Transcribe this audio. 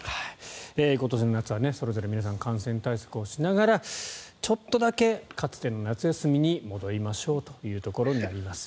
今年の夏はそれぞれ皆さん感染対策しながらちょっとだけかつての夏休みに戻りましょうというところになります。